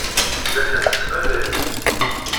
La tent-tettnadiḍ?